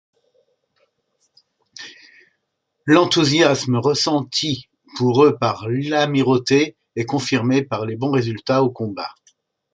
L'enthousiasme ressenti pour eux par l'Amirauté est confirmé par les bons résultats au combat.